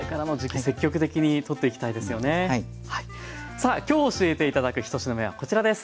さあきょう教えていただく１品目はこちらです。